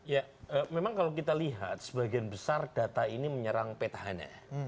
ya memang kalau kita lihat sebagian besar data ini menyerang petahana